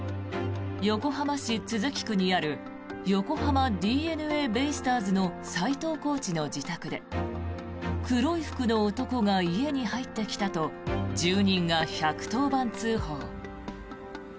横浜市都筑区にある横浜ＤｅＮＡベイスターズの斎藤コーチの自宅で黒い服の男が家に入ってきたと住人が１１０番通報。